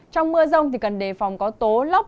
trong mưa rông cần đề phòng có tố lóc